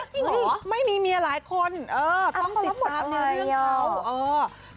จริงหรอไม่มีเมียหลายคนต้องติดตามในเรื่องเขา